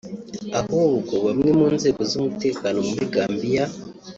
ahubwo bamwe mu nzego z’umutekano muri Gambia